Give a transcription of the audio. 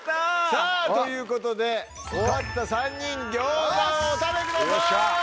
さぁということで勝った３人餃子をお食べください。